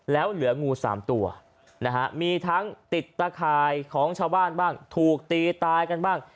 แล้วเหลืองู๓ตัวนะฮะมีทั้งติดตะข่ายของชาวบ้านบ้างถูกตีตายกันบ้าง